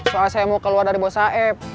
soal saya mau keluar dari bos aeb